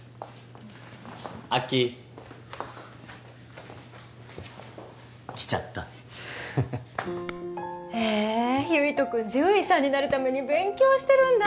アッキー来ちゃったへ唯斗君獣医さんになるために勉強してるんだ